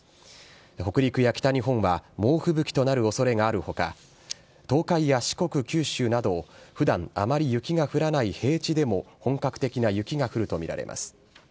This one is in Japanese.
北陸や北日本は猛吹雪となるおそれがあるほか、東海や四国、九州など、ふだんあまり雪が降らない平地でも本格的な雪が降ると見られます。